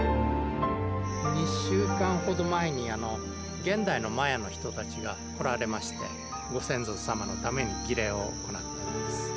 ２週間ほど前に現代のマヤの人たちが来られましてご先祖様のために儀礼を行ったんです。